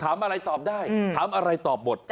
ถามอะไรตอบได้ถามอะไรตอบหมด